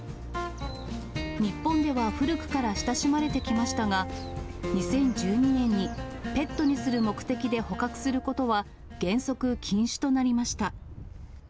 日本では古くから親しまれてきましたが、２０１２年にペットにする目的で捕獲することは原則禁止となりました。